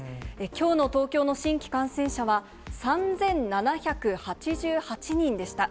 きょうの東京の新規感染者は３７８８人でした。